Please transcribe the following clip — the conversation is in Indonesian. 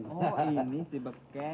oh ini si beken